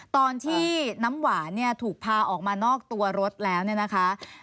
ตอนที่น้ำหวานเนี่ยถูกพาออกมานอกตัวรถแล้วเนี่ยนะคะ